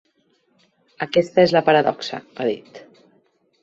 Aquesta és la paradoxa, ha dit.